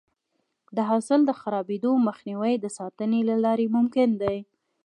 د حاصل د خرابېدو مخنیوی د ساتنې له لارې ممکن دی.